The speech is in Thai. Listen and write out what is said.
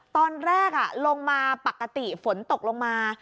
ตอนแรกลงมาปกติฝนตกลงมา